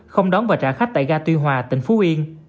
không đón và trả khách tại ga tuy hòa tỉnh phú yên